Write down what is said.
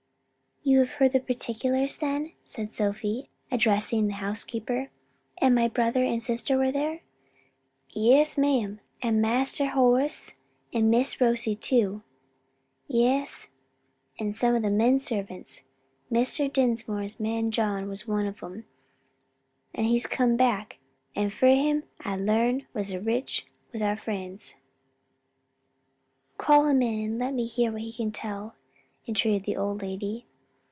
"You have heard the particulars then?" said Sophie, addressing the housekeeper. "And my brother and sister were there?" "Yes, ma'am, and Master Horace, and Miss Rosie too. Yes; and some of the men servants. Mr. Dinsmore's man John was one o' them, and he's come back, and frae him I learned a' was richt with our friends." "Oh call him in and let me hear all he can tell!" entreated the old lady.